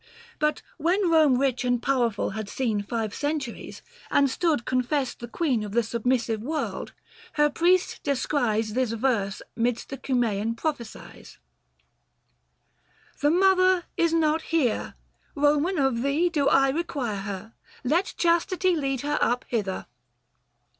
But when Rome rich and powerful had seen 290 Five centuries, and stood confessed the queen Of the submissive world, her priest descries This verse midst the Cunisean prophecies, ' The Mother is not here : Eoman of thee Do I require her : let chastity 295 Lead her up hither.'